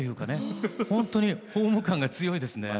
本当にホーム感が強いですね。